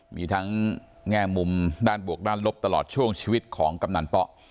มีทั้งแง่มุมด้านบวกด้านลบตลอดช่วงชีวิตของกำนันป๊ะ